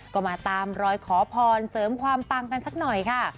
ก็มาตามรอยขอพรเสริมความปังกันสักหน่อยค่ะ